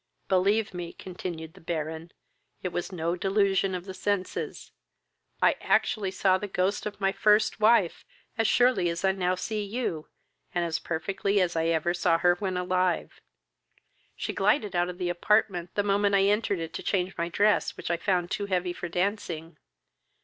"Believe me, (continued the Baron,) it was no delusion of the senses. I actually saw the ghost of my first wife as surely as I now see you, and as perfectly as ever I saw her when alive. She glided out of the apartment the moment I entered it to change my dress, which I found too heavy for dancing.